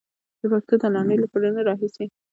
د پښتو دا لنډۍ له پرونه راهيسې.